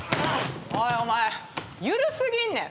おいお前緩過ぎんねん！